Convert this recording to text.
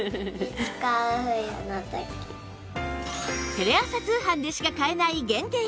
テレ朝通販でしか買えない限定品